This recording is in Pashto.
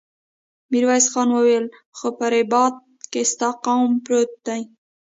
ميرويس خان وويل: خو په رباط کې ستا قوم پروت دی.